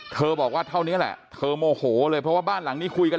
บอกว่าเท่านี้แหละเธอโมโหเลยเพราะว่าบ้านหลังนี้คุยกัน